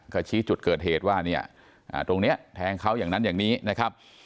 ก็ชี้จุดเกิดเหตุว่าเนี่ยตรงนี้แทงเขาอย่างนั้นอย่างนี้นะครับ